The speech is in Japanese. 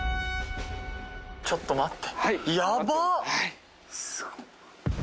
ちょっと待って。